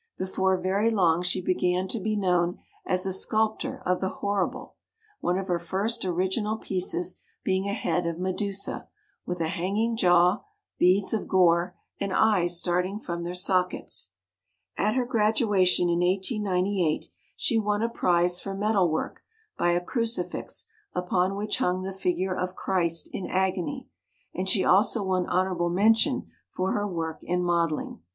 Before very long she began to be known as a sculptor of the horrible, one of her first original pieces being a head of Medusa, with a hang ing jaw, beads of gore, and eyes starting from their sockets. At her graduation in 1898 she won a prize for metal work by a crucifix upon which hung the figure of Christ in agony, and she also won honorable mention for her work in modeling.